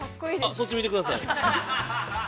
◆そっち見てください。